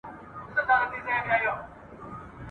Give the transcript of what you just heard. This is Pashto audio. له مرحوم انجنیر سلطان جان کلیوال سره مي !.